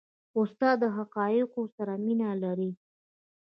استاد د حقایقو سره مینه لري.